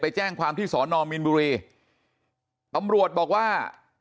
ไปแจ้งความที่สนบิลล์มีลบุรีอำรวจบอกว่า